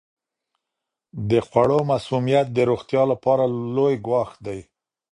د خوړو مسمومیت د روغتیا لپاره لوی ګواښ دی.